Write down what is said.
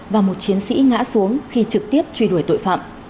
và một chiến sĩ ngã xuống khi trực tiếp truy đuổi tội phạm